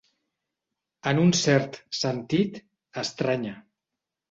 En un cert sentit, estranya.